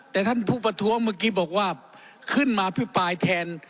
แต่ท่านผู้ประท้วงเมื่อกี้บอกว่าขึ้นมาพิปรายแทน